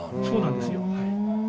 そうなんですよ。